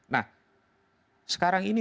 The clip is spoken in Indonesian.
nah sekarang ini